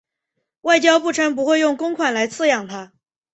外交部称不会用公款来饲养它。